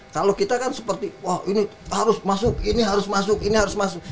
kalau kita kan seperti wah ini harus masuk ini harus masuk ini harus masuk